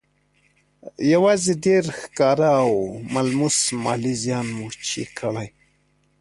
يوازې ډېر ښکاره او ملموس مالي زيان مو چې کړی